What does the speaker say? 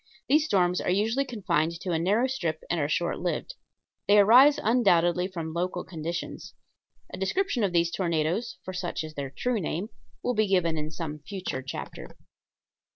These storms are usually confined to a narrow strip and are short lived. They arise undoubtedly from local conditions. A description of these tornadoes for such is their true name will be given in some future chapter.)